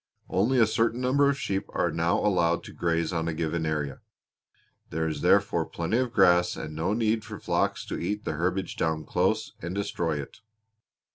Only a certain number of sheep are now allowed to graze on a given area; there is therefore plenty of grass and no need for the flocks to eat the herbage down close and destroy it.